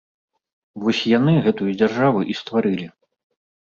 Вось яны гэтую дзяржаву і стварылі.